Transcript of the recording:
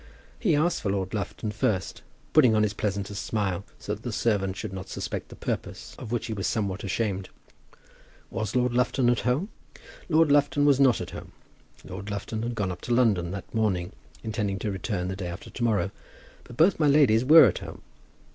He asked for Lord Lufton first, putting on his pleasantest smile, so that the servant should not suspect the purpose, of which he was somewhat ashamed. Was Lord Lufton at home? Lord Lufton was not at home. Lord Lufton had gone up to London that morning, intending to return the day after to morrow; but both my ladies were at home.